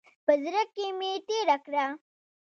په زړه کې مې تېره کړه.